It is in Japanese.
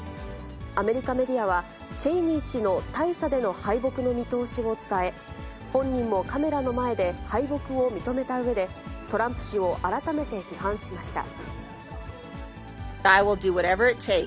アメリカメディアは、チェイニー氏の大差での敗北の見通しを伝え、本人もカメラの前で敗北を認めたうえで、トランプ氏を改めて批判しました。